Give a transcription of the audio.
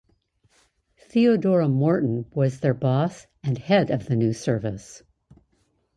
Theodora Morton was their boss and head of the new service.